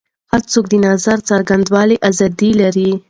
هر څوک د نظر څرګندولو ازادي لري.